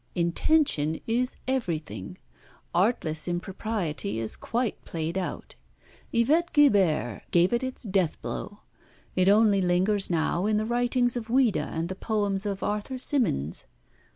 Intention is everything. Artless impropriety is quite played out. Yvette Guilbert gave it its death blow. It only lingers now in the writings of Ouida and the poems of Arthur Symonds.